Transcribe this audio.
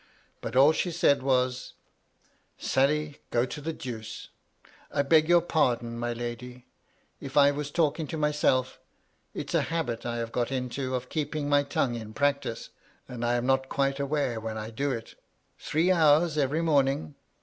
But all she said was, —"* Sally, go to the Deuce.' I beg your pardon, my 216 MY LADY LUDLOW. lady, if I was talking to myself; it's a habit I have got into of keeping my tongue in practice, and I am not quite aware when I do it. Three hours every morning